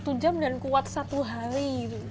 satu jam dan kuat satu hari